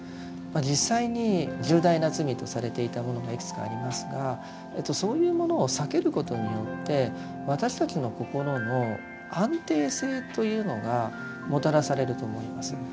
実際に重大な罪とされていたものがいくつかありますがそういうものを避けることによって私たちの心の安定性というのがもたらされると思います。